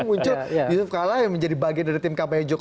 muncul yusuf kala yang menjadi bagian dari tim kbjj